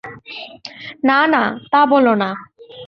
না না, তা বোলো না।